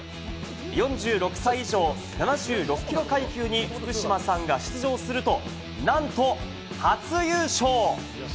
４６歳以上、７６ｋｇ階級に福島さんが出場すると、なんと初優勝！